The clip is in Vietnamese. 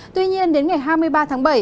tuy nhiên đến ngày hai mươi ba tháng bảy